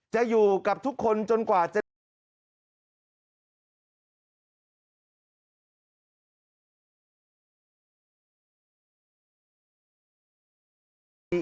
จะอยู่กับทุกคนจนกว่าจะได้